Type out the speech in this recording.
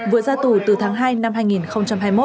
vừa ra tù từ tháng hai năm hai nghìn hai mươi một